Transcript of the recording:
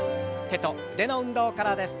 手と腕の運動からです。